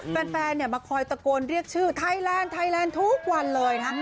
แฟนแฟนเนี้ยมาคอยตะโกนเรียกชื่อไทยแลนด์ทุกวันเลยนะ